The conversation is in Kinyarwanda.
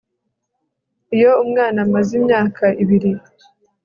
iyo umwana amaze imyaka ibiri